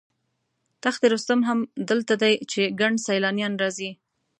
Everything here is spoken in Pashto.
تخت رستم هم دلته دی چې ګڼ سیلانیان راځي.